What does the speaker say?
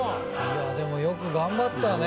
でもよく頑張ったね